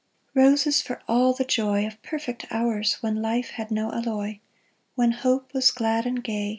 " Roses for all the joy Of perfect hours when life had no alloy ; When hope was glad and gay.